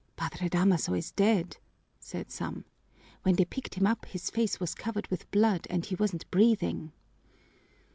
"Padre Damaso is dead," said some. "When they picked him up his face was covered with blood and he wasn't breathing."